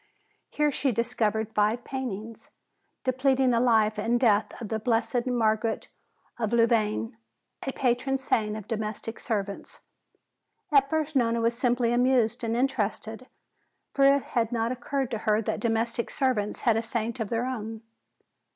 Here she discovered five paintings, depicting the life and death of the blessed Margaret of Louvain, the patron saint of domestic servants. At first Nona was simply amused and interested, for it had not occurred to her that domestic servants had a saint of their own.